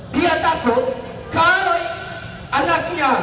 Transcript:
dia takut kalau anaknya